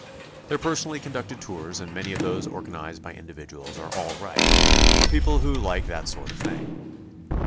Their personally conducted tours and many of those organized by individuals are all right, for people who like that sort of thing.